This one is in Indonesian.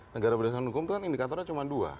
pembangunan hukum itu kan indikatornya cuma dua